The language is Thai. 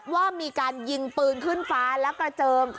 ว่ามีการยิงปืนขึ้นฟ้าแล้วกระเจิง